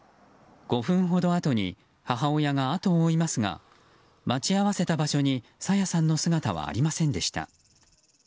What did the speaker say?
５分ほどあとに母親が後を追いますが待ち合わせた場所に朝芽さんの姿はありませんでした。